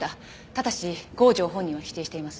ただし郷城本人は否定しています。